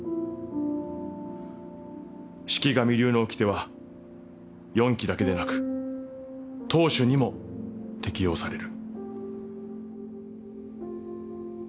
四鬼神流のおきては四鬼だけでなく当主にも適用される。